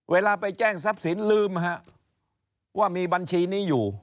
เวลาไปแจ้งทรัพย์สินลืมว่ามีบัญชีนี้อยู่